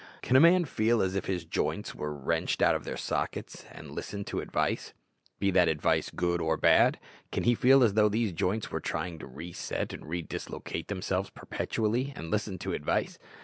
Can a man feel as if his joints were wrenched out of their sockets, and listen to advice be that advice good or bad? Can he feel as though these joints were trying to re set and re dislocate themselves perpetually, and listen to advice?